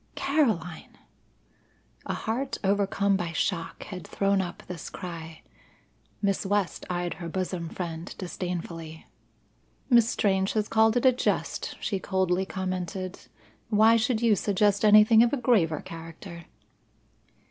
"Caroline!" A heart overcome by shock had thrown up this cry. Miss West eyed her bosom friend disdainfully. "Miss Strange has called it a jest," she coldly commented. "Why should you suggest anything of a graver character?"